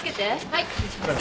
はい。